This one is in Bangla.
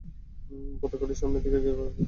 উপত্যকাটি সামনের দিকে গিয়ে প্রশস্ত হয়ে যায়।